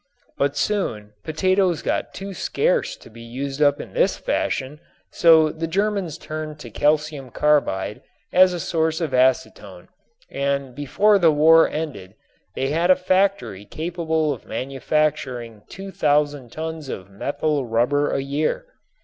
But soon potatoes got too scarce to be used up in this fashion, so the Germans turned to calcium carbide as a source of acetone and before the war ended they had a factory capable of manufacturing 2000 tons of methyl rubber a year.